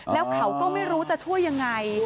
แล้วเขาก็ไม่รู้จะช่วยยังไง